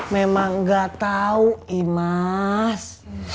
memang nggak tahu imas